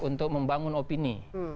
untuk membangun opini